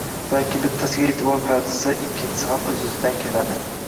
balki bittasiga eʼtibor qaratilsa, ikkinchisi ham oʻz-oʻzidan keladi.